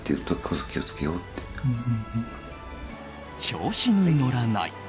調子に乗らない。